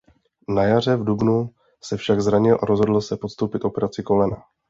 Na jaře v dubnu se však zranil a rozhodl se podstoupit operaci kolena.